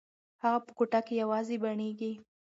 هغه په کوټه کې یوازې بڼیږي.